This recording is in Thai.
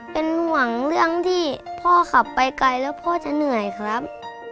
เป็นห่วงเรื่องที่พ่อขับไปไกลแล้วพ่อจะเหนื่อยครับ